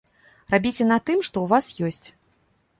Рабіце на тым, што ў вас ёсць.